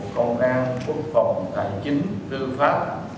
công an quốc phòng tài chính tư pháp